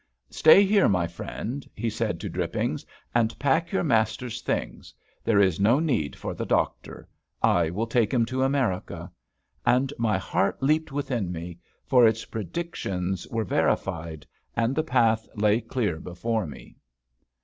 "Stay here, my friend," he said to Drippings, "and pack your master's things: there is no need for the doctor; I will take him to America." And my heart leaped within me, for its predictions were verified, and the path lay clear before me.